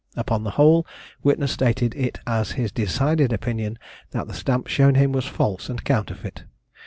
Upon the whole, witness stated it as his decided opinion that the stamp shown him was false and counterfeit.